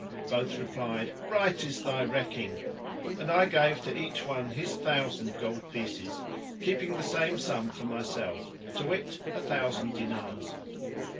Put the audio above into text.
Both replied, "Right is thy recking;" and I gave to each one his thousand gold pieces, keeping the same sum for myself, to wit, a thousand dinars.